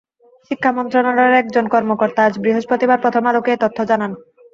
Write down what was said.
শিক্ষা মন্ত্রণালয়ের একজন কর্মকর্তা আজ বৃহস্পতিবার প্রথম আলোকে এ তথ্য জানান।